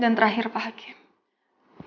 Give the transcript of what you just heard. dan terakhir pak hakim